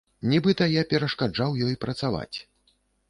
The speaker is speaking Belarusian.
Нібыта я перашкаджаў ёй працаваць.